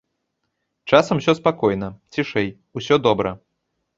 Часам усё спакойна, цішэй, усё добра.